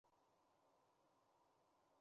勒讷堡人口变化图示